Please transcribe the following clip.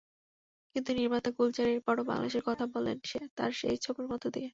কিন্তু নির্মাতা গুলজার এরপরও বাংলাদেশের কথা বললেন তাঁর সেই ছবির মধ্য দিয়ে।